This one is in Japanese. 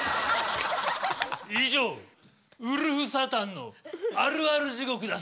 以上ウルフサタンのあるあるじごくだ。